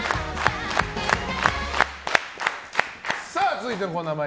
続いてはこのコーナー。